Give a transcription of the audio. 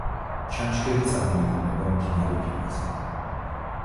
ჩანჩქერი წარმოიქმნება მდინარე ბინაზე.